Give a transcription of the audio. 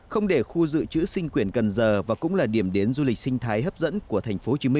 không để khu dự trữ sinh quyển cần giờ và cũng là điểm đến du lịch sinh thái hấp dẫn của tp hcm